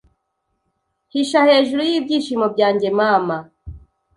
Hisha hejuru yibyishimo byanjye mama